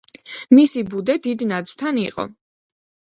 მისი ბუდე დიდ ნაძვთან იყო.